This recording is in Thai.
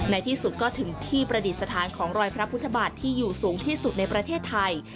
ในที่สุดก็ถึงที่ประดิษฐานของรอยพระพุทธบาทที่อยู่สูงที่สุดในประเทศไทย